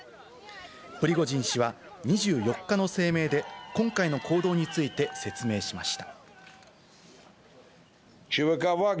プリゴジン氏は２４日の声明で今回の行動について説明しました。